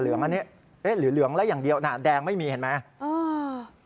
หรือเหลืองแล้วอย่างเดียวแดงไม่มีเห็นไหม